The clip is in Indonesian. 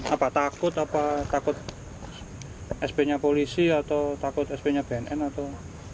apa takut apa takut sp nya polisi atau takut sp nya bnn atau